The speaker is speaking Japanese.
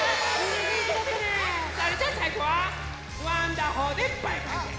それじゃさいごはワンダホーでバイバイです！